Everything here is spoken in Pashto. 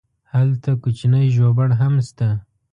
هلته کوچنی ژوبڼ هم شته.